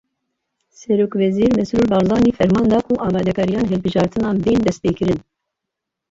Serokwezîr Mesrûr Barzanî ferman da ku amadekariyên hilbijartinan bên destpêkirin